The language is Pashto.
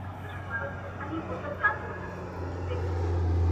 • په گيلاس او په ساغر دي اموخته کړم ـ